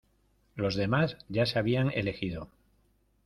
Los demás ya se habían elegido.